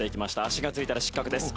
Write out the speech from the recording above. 足がついたら失格です。